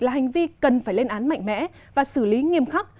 là hành vi cần phải lên án mạnh mẽ và xử lý nghiêm khắc